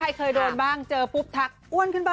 ใครเคยโดนบ้างเจอปุ๊บทักอ้วนขึ้นบ้าง